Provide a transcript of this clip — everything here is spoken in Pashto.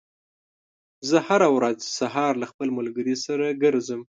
زه هره ورځ سهار له خپل ملګري سره ګرځم.